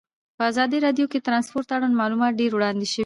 په ازادي راډیو کې د ترانسپورټ اړوند معلومات ډېر وړاندې شوي.